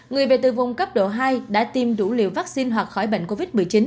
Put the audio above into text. người về từ vùng cấp độ hai đã tiêm đủ liều vaccine hoặc khỏi bệnh covid một mươi chín